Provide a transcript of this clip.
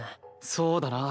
そうだな。